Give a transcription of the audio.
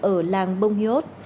ở làng bông hiốt